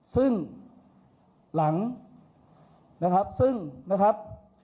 ซึ่งหลังนะครับซึ่งนะครับ